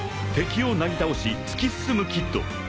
［敵をなぎ倒し突き進むキッド］